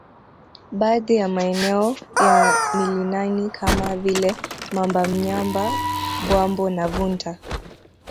Baadhi ya maeneo ya milinani kama vile mamba Mnyamba Bwambo na Vunta